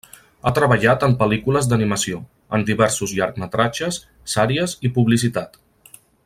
Ha treballat en pel·lícules d'animació, en diversos llargmetratges, sèries i publicitat.